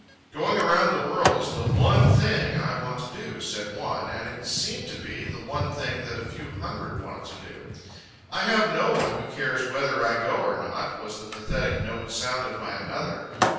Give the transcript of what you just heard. "Going around the world is the one thing I want to do," said one, and it seemed to be the one thing that a few hundred wanted to do. "I have no one who cares whether I go or not," was the pathetic note sounded by another.